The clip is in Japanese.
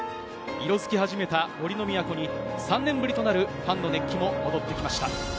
色づき始めた杜の都に３年ぶりとなるファンの熱気も戻ってきました。